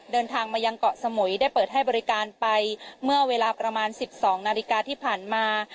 เดินทางมายังเกาะสมุยได้เปิดให้บริการไปเมื่อเวลาประมาณ๑๒นาฬิกาที่ผ่านมา